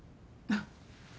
あっ。